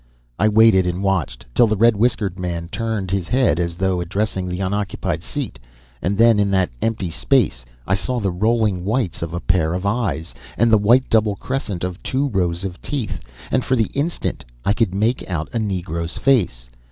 I waited and watched, till the red whiskered man turned his head as though addressing the unoccupied seat; and then, in that empty space, I saw the rolling whites of a pair of eyes and the white double crescent of two rows of teeth, and for the instant I could make out a negro's face.